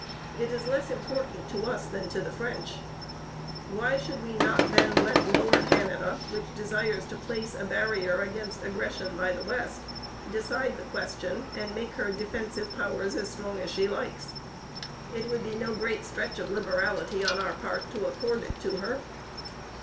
It is less important to us than to the French. Why should we not then let Lower Canada, which desires to place a barrier against aggression by the west, decide the question and make her defensive powers as strong as she likes? It would be no great stretch of liberality on our part to accord it to her.'